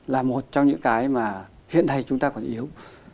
là một trong những cái mà hiện nay chúng ta còn yếu